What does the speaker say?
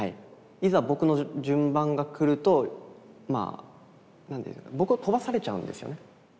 いざ僕の順番が来るとまあ僕を飛ばされちゃうんですよね。